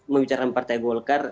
membicara partai golkar